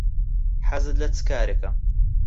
حەزت لە چ کارێکە؟